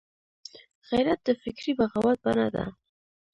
غیرت د فکري بغاوت بڼه ده